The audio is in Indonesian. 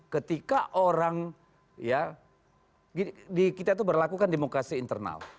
ketika orang ya di kita itu berlakukan demokrasi internal